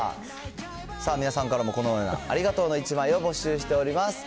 さあ、皆さんからのこのようなありがとうの１枚を募集しております。